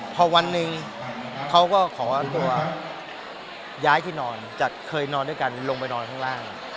พอวันหนึ่งเขาก็ขอตัวย้ายที่นอนจากเคยนอนด้วยกันลงไปนอนข้างล่าง